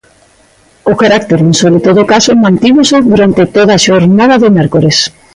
O carácter insólito do caso mantívose durante toda a xornada do mércores.